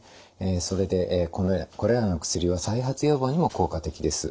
それでこれらの薬は再発予防にも効果的です。